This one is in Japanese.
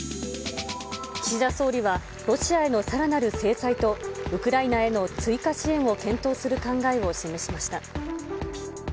岸田総理は、ロシアへのさらなる制裁と、ウクライナへの追加支援を検討する考えを示しました。